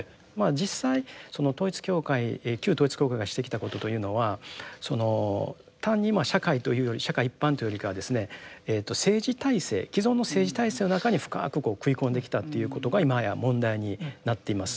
実際その統一教会旧統一教会がしてきたことというのはその単に社会というより社会一般というよりかはですね政治体制既存の政治体制の中に深くこう食い込んできたっていうことが今や問題になっています。